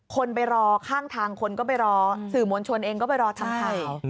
คนไปรอข้างทางคนก็ไปรอสื่อมวลชนเองก็ไปรอทำข่าว